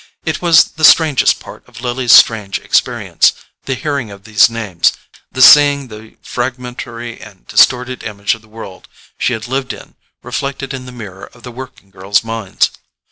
It was the strangest part of Lily's strange experience, the hearing of these names, the seeing the fragmentary and distorted image of the world she had lived in reflected in the mirror of the working girls' minds.